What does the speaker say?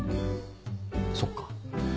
そっか。